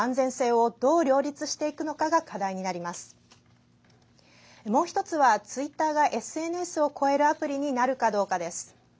もう１つは、ツイッターがＳＮＳを超えるアプリになるかどうかです。